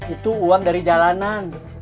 itu uang dari jalanan